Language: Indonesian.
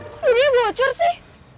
kok dulu dulu bocor sih